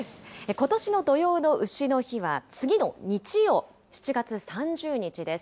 ことしの土用のうしの日は、次の日曜、７月３０日です。